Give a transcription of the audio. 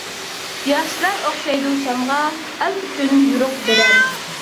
ياخشىلار ئوخشايدۇ شامغا، ئەل ئۈچۈن يورۇق بېرەر.